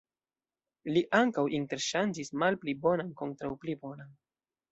Li ankaŭ interŝanĝis malpli bonan kontraŭ pli bonan.